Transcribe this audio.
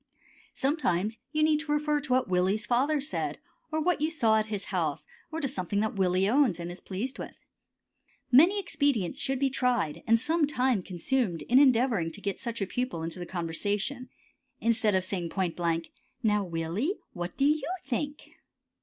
Sometimes you need to refer to what Willie's father said, or what you saw at his house, or to something that Willie owns and is pleased with. Many expedients should be tried and some time consumed in endeavoring to get such a pupil into the conversation instead of saying point blank, "Now, Willie, what do you think?"